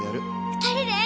２人で？